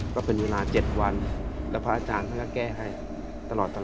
ก็เป็นเวลา๗วันแล้วพระอาจารย์ท่านก็แก้ให้ตลอด